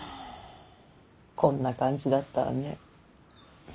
こんな感じだったわね。